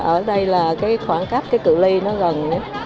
ở đây là khoảng cách cự li gần